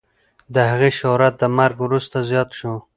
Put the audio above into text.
د هغې شهرت د مرګ وروسته زیات شو.